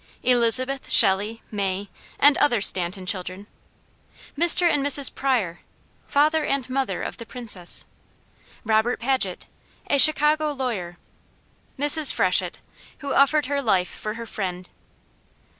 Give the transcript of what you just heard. ELIZABETH, SHELLEY, MAY and Other Stanton Children. MR. and MRS. PRYOR, Father and Mother of the Princess. ROBERT PAGET, a Chicago Lawyer. MRS. FRESHETT, Who Offered Her Life for Her Friend.